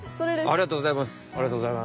ありがとうございます。